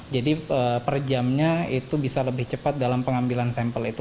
jadi per jamnya itu bisa lebih cepat dalam pengambilan sampel itu